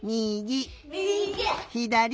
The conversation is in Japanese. ひだり！